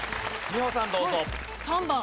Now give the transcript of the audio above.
美穂さんどうぞ。